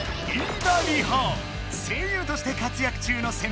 声優として活躍中の先輩だ。